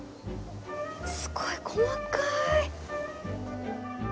すごい細かい！